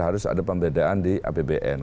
harus ada pembedaan di apbn